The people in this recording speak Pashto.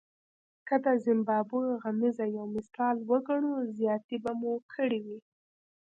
که د زیمبابوې غمیزه یو مثال وګڼو زیاتی به مو کړی وي.